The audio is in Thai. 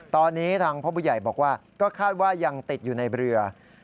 ตอนนี้ทางพ่อผู้ใหญ่บอกว่าก็คาดว่ายังติดอยู่ในเรือ